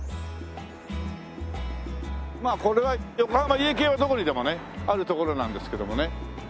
まあこれは横浜家系はどこにでもねあるところなんですけどもね。